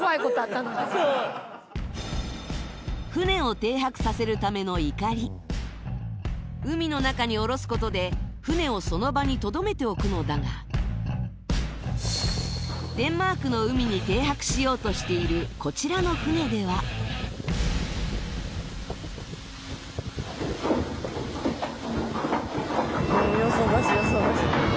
そう船を停泊させるためのイカリ海の中に下ろすことで船をその場にとどめておくのだがの海に停泊しようとしているこちらの船ではあれ？